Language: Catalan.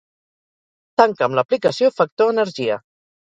Tanca'm l'aplicació Factor Energia.